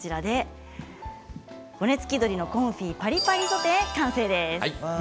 骨付き鶏のコンフィパリパリソテー、完成です。